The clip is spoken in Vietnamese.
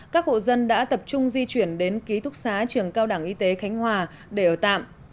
các hộ dân đã tập trung di chuyển đến ký túc xá trường cao đẳng y tế khánh hòa để ở tạm